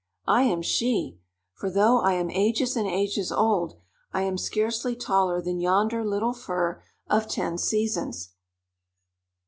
I am she. For though I am ages and ages old, I am scarcely taller than yonder little fir of ten seasons."